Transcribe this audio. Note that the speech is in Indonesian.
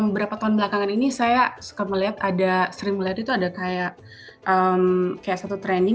berapa tahun belakangan ini saya suka melihat ada sri melihat itu ada kayak satu training